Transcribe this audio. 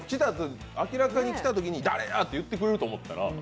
明らかに来たときに誰や！って言ってくれるかと思ったら。